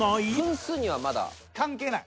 「分数にはまだ」「関係ない」